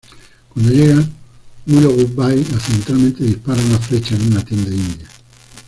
Cuando llegan, Willoughby accidentalmente dispara una flecha en una tienda india.